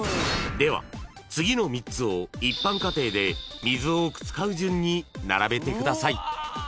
［では次の３つを一般家庭で水を多く使う順に並べてください］